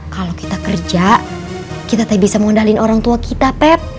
kalau kita kerja kita tak bisa mengundahin orang tua kita feb